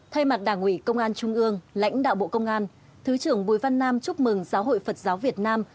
thay mặt đảng ủy công an trung ương lãnh đạo bộ công an thứ trưởng bùi văn nam chúc mừng giáo hội phật giáo việt nam